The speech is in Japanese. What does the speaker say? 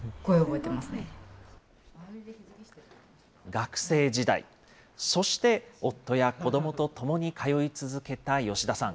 学生時代、そして夫や子どもと共に通い続けた吉田さん。